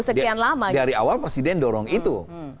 sekian lama dari awal presiden dorong itu